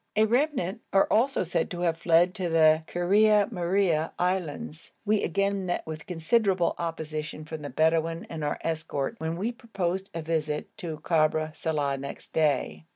A remnant are also said to have fled to the Kuria Muria Islands. We again met with considerable opposition from the Bedouin and our escort when we proposed to visit the Kabr Saleh next day.